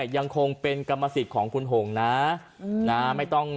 ยังคงเป็นกรรมสิทธิ์ของคุณหงนะ